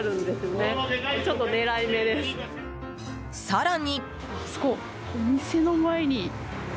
更に。